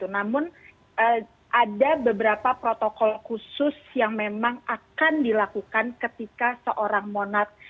namun ada beberapa protokol khusus yang memang akan dilakukan ketika seorang monat